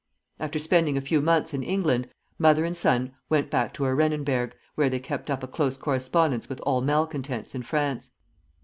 After spending a few months in England, mother and son went back to Arenenberg, where they kept up a close correspondence with all malcontents in France.